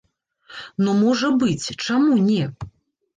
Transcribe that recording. Ну, можа быць, чаму не?